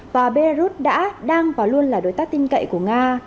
và belarus đã đang và luôn là đối tác tin cậy của nga